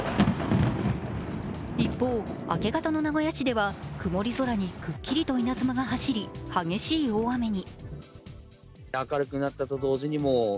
一方、明け方の名古屋市では曇り空にくっきりと稲妻が走り、激しい大雨に。